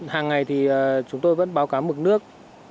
hàng ngày thì chúng tôi vẫn báo cáo mực nước